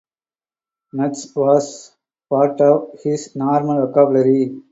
'Nuts' was part of his normal vocabulary.